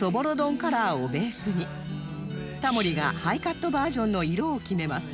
タモリがハイカットバージョンの色を決めます